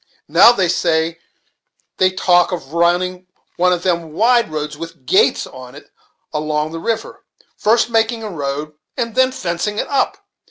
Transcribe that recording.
Now, they say, they talk of running one of them wide roads with gates on it along the river; first making a road, and then fencing it up!